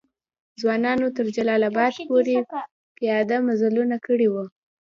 ځوانانو تر جلال آباد پوري پیاده مزلونه کړي وو.